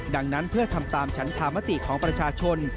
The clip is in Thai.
ดังนั้นเพื่อทำตามฉันธรรมติของประชาชน